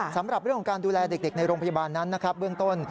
สำหรับเรื่องของการดูแลเด็กในโรงพยาบาลนั้นนะครับเบื้องต้น